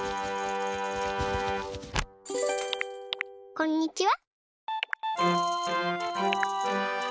こんにちは。